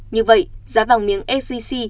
như vậy giá vàng miếng szc